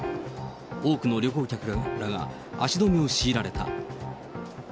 多くの旅行客らが足止めを強いられた。